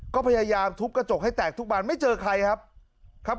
ก็พยายามทุบกระจกให้แตกทุกวันไม่เจอใครครับครับ